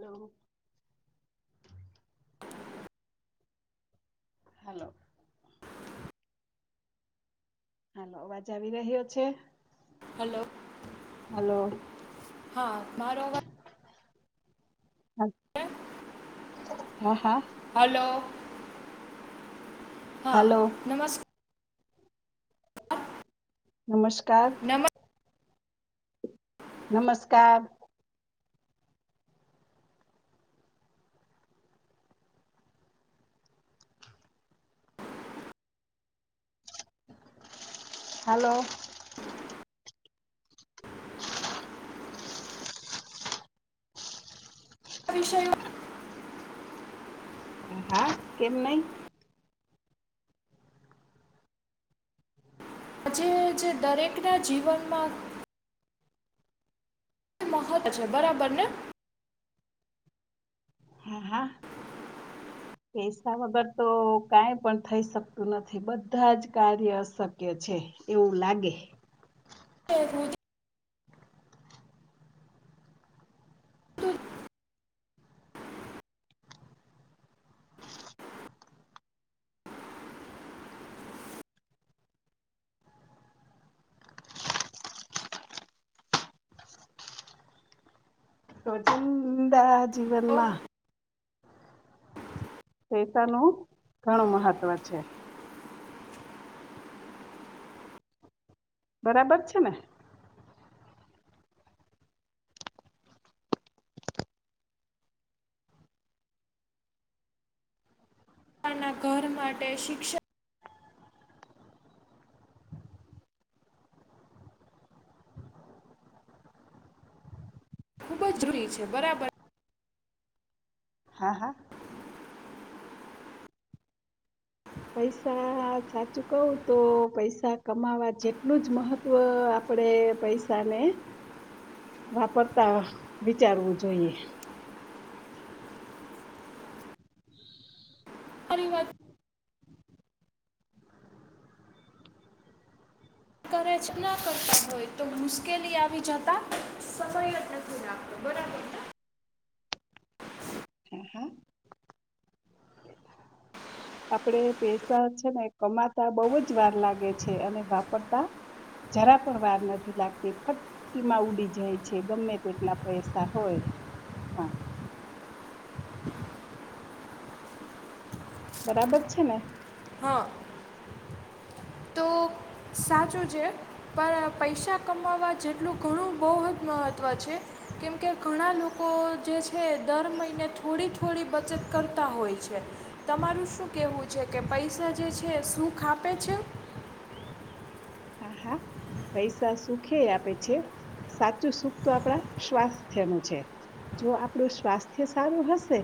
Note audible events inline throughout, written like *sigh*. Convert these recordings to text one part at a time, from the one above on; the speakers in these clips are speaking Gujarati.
*inaudible* હલો હાલ અવાજ આવી રહ્યો છે હલો હલો હા મારોવા *unintelligible* હા હા હલો હા, હાલો નમસ્ નમસ્કાર નમસ્કાર નમસ્કાર હલો વિષયો હ કેમ નય આજે જે દરેકના જીવનમાં મહત છે અચ્છા બરાબર ને હા હા *inaudible* પૈસા વગર તો કઈ પણ થઈ શકતું નથી બધા જ કાર્ય અશક્ય છે, એવું લાગ ગે *unintelligible* રોજિંદા જીવનમાં પૈસા નુ ઘણું મહત્વ છે બરાબર છે, ને ના ઘર માટે શિક્ષણ ખૂબ જ જરૂરી છે, બરાબર હા હા પૈસા સાચું કવું તો પૈસા કમાવા જેટલું જ મહત્વ, આપડે આપડે પૈસાને વાપરતા વિચારવું જોઈએ, *unintelligible* કરે ના કરતા હોય તો મુશ્કેલી આવી જતા સમય જ નથી, લાગતો બરો *unintelligible* હા હા. આપણે પેસા છે ને કમાતા બહુ જ વાર લાગે છે, અને વાપરતા જરા પણ વાર નથી લાગતી ફટકીમાં ઉડી જાય છે, ગમે તેટલા પૈસા હોય હા બરાબર છે ને હા તો સાચું છે, પણ પૈસા કમાવવા જેટલું ઘણું બહુ જ મહત્ત્વ છે. કેમકે ઘણા લોકો જે છે દર મહિને થોડી થોડી બચત કરતા હોય છે, તમારું શું કેવું છે કે પૈસા જે છે શું ખાપે છે? હા હા પૈસા સુખય આપે છે, સાચું સુખ તો આપણા સ્વાસ્થ્યનું છે જો આપણું સ્વાસ્થ્ય સારું હશે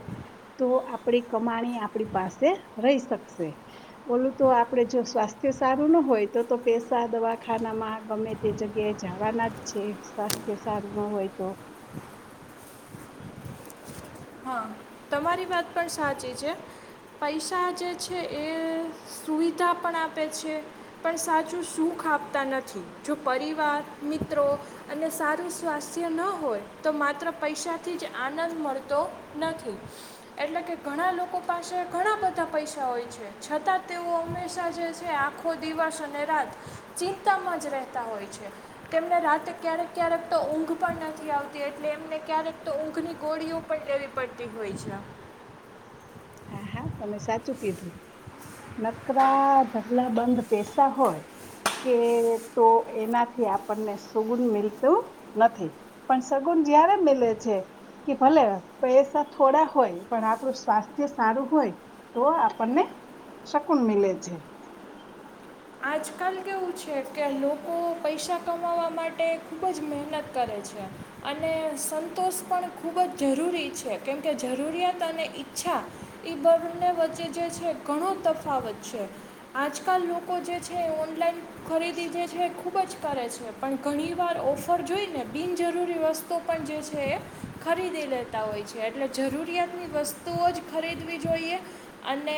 તો આપણી કમાણી આપણી પાસે રહી શકશે, ઓલું તો આપણે જો સ્વાસ્થ્ય સારું ના હોય તો તો પે દવાખાનામાં ગમે તે જગ્યાએ જવાના જ છે, સ્વાસ્થ્ય સારું ન હોય તો *inaudible* તમારી વાત પણ સાચી છે, પૈસા જે છે, એ સુવિધા પણ આપે છે, પણ સાચું સુખ આપતા નથી, જો પરિવાર મિત્રો અને સારું સ્વાસ્થ્ય ન હોય તો મા માત્ર પૈસાથી જ આનંદ મળતો નથી. એટલે કે ઘણા લોકો પાસે ઘણા બધા પૈસા હોય છે, છતાં તેઓ હંમેશા જે આખો દિવસ અને રાત ચિંતામાં જ રહેતા હોય છે, તેમને રાતે ક્યારેક ક્યારેક તો ઊંઘ પણ નથી આવતી એટલે એમને ક્યારેક તો ઊંઘની ગોળીઓ પણ લેવી પડતી હોય છે, હા હા, અમે સાચું કીધું નકરા ઢગલાબંધ પૈસા હોય કે તો એનાથી આપણને સુગુન મિલતું નથી પણ સગુન જયારે મિલે છે કે ભલે પૈસા થોડા હોય પણ આપણું સ્વાસ્થ્ય સારું હોય, તો આપણને શકુન મિલે છે. આજકાલ કેવું છે કે લોકો પૈસા કમાવવા માટે ખૂબ જ મહેનત કરે છ છે. અને સંતોષ પણ ખૂબ જ જરૂરી છે કેમ કે જરૂરિયાત અને ઈચ્છા ઈ બન્ને વચ્ચે જે છે ઘણો તફાવત છે. આજકાલ લોક કો જે છે એ ઓનલાઈન ખરીદી જે છે એ ખૂબ જ કરે છે, પણ ઘણી વાર ઓફર જોઈને બિનજરૂરી વસ્તુ પણ જે છે એ ખરીદી લેતાં હોય છે, એટલે જરૂરિયાતની વસ સ્તુઓ જ ખરીદવી જોઈએ, અને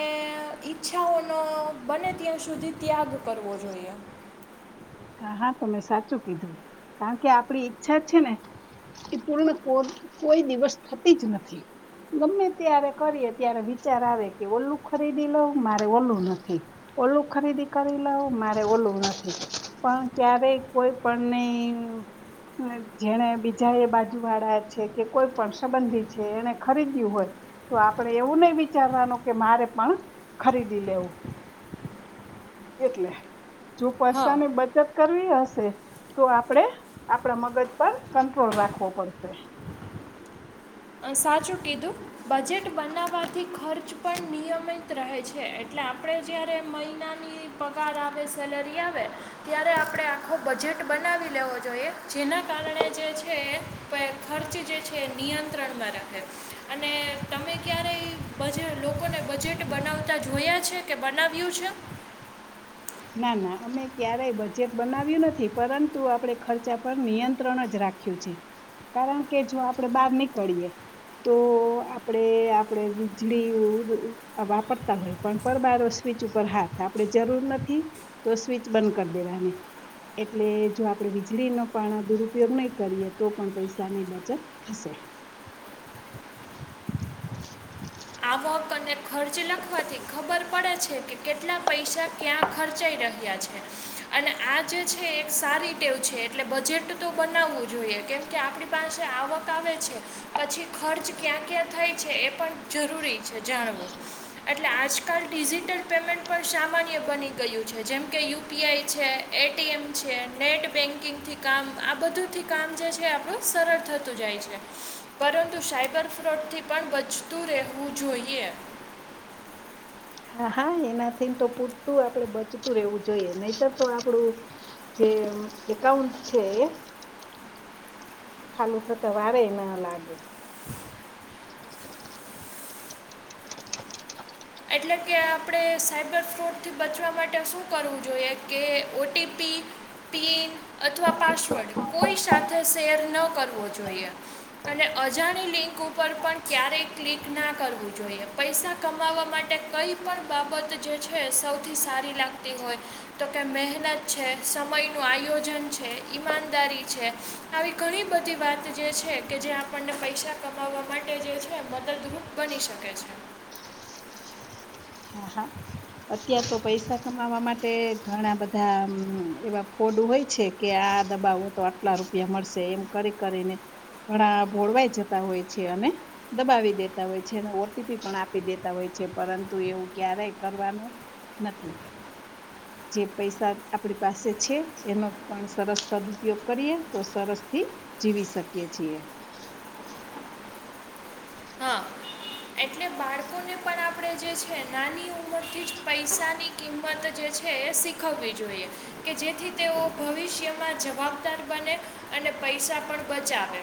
ઈચ્છાઓનો બને ત્યાં સુધી ત્યાગ કરવો જોઈએ. હા, હા તમે સાચું કીધું. કારણ કે આપણી ઈચ્છા જ છે ને એ પૂર્ણ કો કોઈ દિવસ થતી જ નથી. ગમે ત્યારે કરીએ ત્યારે વિચાર આવે કે ઓલું ખરીદી લઉ, મારે ઓલું નથી. ઓલું ખરીદી કરી લઉ, મારે ઓલું નથી. પણ ક્યારેય કોઈપણને જેને બીજા એ બાજુવાળા છે, કે કોઈપણ સંબંધી છે એને ખરીદ્યું હોય તો આપણે એવું નહીં વિચારવાનું કે મારે પણ ખરીદી લેવું. *inaudible* એટલે. જો હા પેસા ને બ ચત કરવી હશે તો આપણે આપણા મગજ પર કંટ્રોલ રાખવો પડશે. *inaudible* સાચું કીધું, બજેટ બનાવવાથી ખર્ચ પણ નિયમિત રહે છે એટલે આપણે જ્યારે મહિનાની પગાર આવે સેલરી આવે ત્યારે, આપણે આખો બજેટ બનાવી લેવો જોઈએ જેનાં કારણે જે છે, ખર્ચ જે છે નિય ત્રણમાં રખાય, અને તમે ક્યારેય બજે લોકોને બજેટ બનાવતા જોયા છે કે બનાવ્યું છે? ના ના અમે ક્યારેય બજેટ બનાવ્યું નથી પરંતુ આપણે ખર્ચા પર નિયંત્રણ જ રખા રાખ્યું છે, કારણ કે જો આપણે બહાર નીકળીએ. તો આપણે આપણે વીજળી વાપરતા હોય પણ પરબારોસ સ્વિચ ઉપર હાથ આપણેે જરૂર નથી, તો સ્વીચ બંધ કરી દેવાની. એટલે જો આપણે વીજળીનો પણ દુરુપયોગ નહી કરીએ તો પણ પૈસાની બચત થશે. *inaudible* આવક અને ખર્ચ લખવાથી ખબર પડે છે કે કેટલા પૈસા ક્યાં ખર્ચાય રહ્યા છે અને આ જે છે, એક સારી ટેવ છે એટલે બજેટ તો બનાવવું જોઈએ. કેમકે આપણી પાસે આવક આવે છે, પછી ખર્ચ ક્યાં ક્યાં થાય છે એ પણ જરૂરી છે જાણવું, એટલે આજકાલ ડિજિટલ પેમેન્ટ પણ સામાન્ય બની ગયું છે જેમકે યુ પી આઈ છે એ ટી એમ છે નેટ બેન્કિંગથી કામ આ બધુંથી કામ કામ જે છે આપણું સરળ થતું જાય છે, પરંતુ સાયબર ફ્રોડથી પણ બચ તું રહેવું જોઈએ. હા હા એનાથીને તો પૂરતું આપડે બચતું રહેવું જોઈએ નહીતર તો આપડું, જે એમ એકાઉન્ટ છે એ *inaudible* ખાલું થતા વારેય ના લાગે. *inaudible* એટલે કે આપડે સાયબર ફ્રોડ થી બચવા માટે શું કરવું જોઈએ કે ઓ ટી પી *inaudible* પિન અથવા પાસવર્ડ કોઈ સાથે શેર ન કરવો જોઈએ. અને અજાણી લિંક ઉપર પણ ક્યારેય ક્લિક ના કરવું જોઈએ. પૈસા કમાવવા માટે કંઈ પણ બાબત જે છે એસૌથી સારી લાગતી હોય તો કે મહેનત છે સમયનું આયોજન છે, ઈમાનદારી છે, આવી ઘણી બધી વાત જે છે કે જે આપણને પૈસા કમાવવા માટે જે છે મદદરૂપ બની શકે છે. હા હા અત્યાર તો પૈસા કમાવા માટે ઘણા બધા એવા ફોડ હોય છે કે આ આ દબાવો તો આટલા રૂપિયા મળશે એમ કરી કરીને ઘણા ભોળવાઈ જતા હોય છે અને દબાવી દેતા હોય છે અને ઓ ટી પી પણ આપી દેતા હોય છે પરંતુ એવું ક્યારેય કરવાનું નથી જે પૈસા આપણી પાસે છે એનો પણ સરસ સદઉપયોગ કરીએ તો સરસ થી જીવી શકીએ છીએ *inaudible* હા એટલે બાળકો ને પણ આપણે જે છે નાની ઉમરથી જ પૈસાની કિંમત જે છે *inaudible* શીખવવી જોઈએ કે જેથી તેઓ ભવિષ્યમાં જવાબદાર બને અને પૈસા પણ બચાવે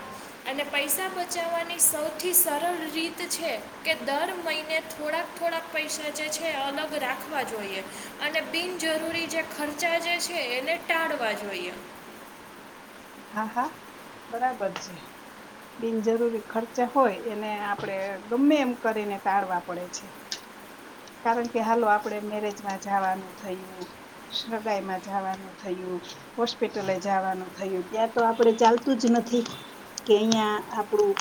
અને પૈસા બચાવવાની સૌથી સરળ રીત છે કે દર મહિને થોડાક થોડાક પૈસા જે છે અલગ રાખવા જોઈએ અને બિન બિન જરૂરી જે ખર્ચા જે છે એને ટાળવા જોઈએ હા હા બરાબર છે બિનજરૂરી ખર્ચા હોય એને આપણે ગમે એમ કરીને ટાળવા પડે છે કારણ કે હાલો આપડે મેરેજમાં જવાનું થયું સગાઈમાં જવાનું થ યું હોસ્પિટલે જવાનું થયું ત્યાં તો આપડે ચાલતું જ નથી કે *unintelligible* આપડું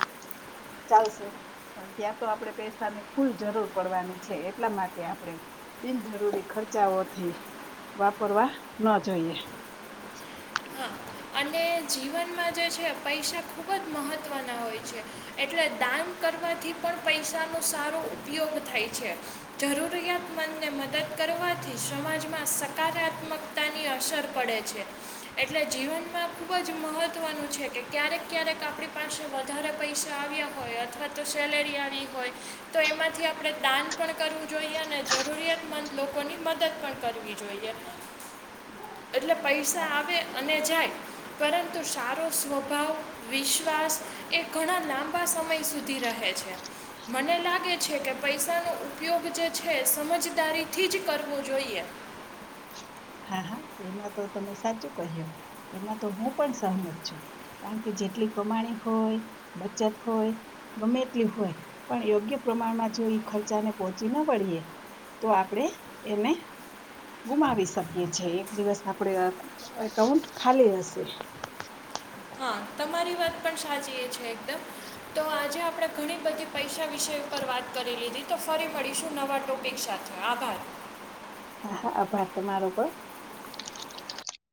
ચાલશે પણ ત્યાં તો આપડણે પૈસાની ફુલ જરૂર પડવાની છે એટલા માટે આપણે બિનજરૂરી ખર્ચાઓથી વાપરવા ન જોઈએ હા અને જીવનમાં જે છે પૈસા ખૂબ જ મહત્ત્વના હોય છે એટલે દાન કરવાથી પણ પૈસાનો સારો ઉપયોગ થાય છે જરૂરિયાતમંદને મદદ કરવાથી સમાજમાં સકારાત્મકતાની અસર પડે છે એટલે જીવન માં ખૂબ જ મહત્વનું છે કે ક્યારેક ક્યારેક આપણી પાસે વધારે પૈસા આવ્યા હોય અથવા તો સેલેરિ આવી હોય તો એમાંથી આપણે દાન પણ કરવું જોઈએ અને જરૂરિયાતમંદ લોકો લોકોની મદદ પણ કરવી જોઈએ એટલે હા પૈસા આવે અને જાય પરંતુ સારો સ્વભાવ વિશ્વાસ એ ઘણા લાંબા સમય સુધી ર હે છે મને લાગે છે કે પૈસાનો ઉપયોગ જે છે સમજદારીથી જ કરવો જોઈએ *inaudible* હા એમાં તો તમે સાચું કહ્યો એમાં તો હું પણ સહમત છું કારણ કે જેટલી કમા ણી હોય બચત હોય ગમે તેટલી હોય પણ યોગ્ય પ્રમાણમાં જો ખર્ચા તેને પહોચી ન વળીએ તો આપણે એને ગુમાવી શકીએ છીએ દિવસ આપડે એકાઉન્ટ ખાલી હશે હા તમારી વાત પણ સાચી એ છે એકદમ તો આજે આપણે ઘણી બધી પૈસા વિષય પર વાત કરી લીધી તો ફરી મળીશું નવા ટોપિક સાથે આભાર હા હા આભાર તમારો પર